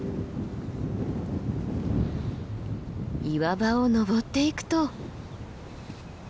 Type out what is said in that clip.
岩場を登っていくと。